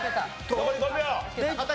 残り５秒。